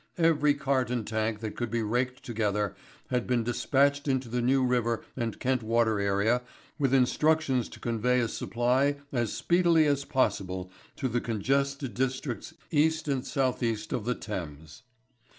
Every cart and tank that could be raked together had been despatched into the New River and Kent Water area with instructions to convey a supply as speedily as possible to the congested districts East and South east of the Thames.